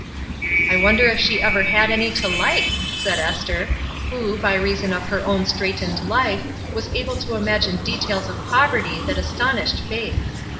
"I wonder if she ever had any to like?" said Esther, who, by reason of her o^n straitened life, was able to imagine details of poverty that astonished Faith.